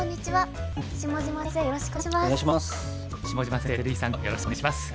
よろしくお願いします。